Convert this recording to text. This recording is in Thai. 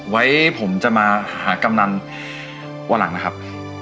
ไว้ผมจะมาหากำนันวันหลังนะครับ